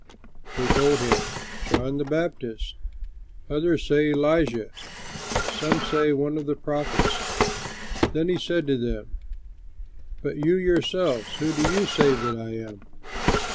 They told him, "John the Baptist; others say, 'Elijah'; some say, 'One of the prophets.'" Then he said to them, "But you yourselves, who do you say that I am?"